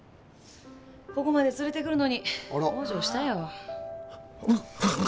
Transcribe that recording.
ここまで連れてくるのに往生したよ。